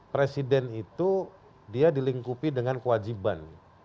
presiden itu dia dilingkupi dengan kewajiban